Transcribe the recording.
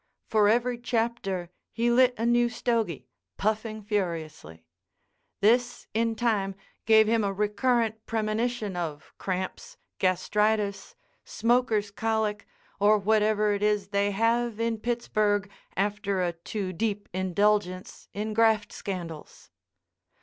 For every chapter he lit a new stogy, puffing furiously. This in time, gave him a recurrent premonition of cramps, gastritis, smoker's colic or whatever it is they have in Pittsburg after a too deep indulgence in graft scandals.